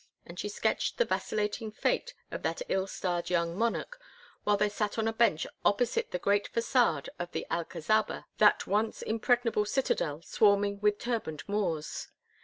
And she sketched the vacillating fate of that ill starred young monarch while they sat on a bench opposite the great façade of the Alcazaba, that once impregnable citadel swarming with turbaned Moors.